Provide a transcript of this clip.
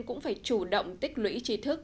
cũng phải chủ động tích lũy trí thức